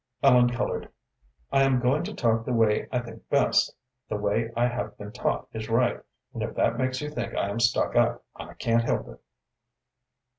Ellen colored. "I am going to talk the way I think best, the way I have been taught is right, and if that makes you think I am stuck up, I can't help it."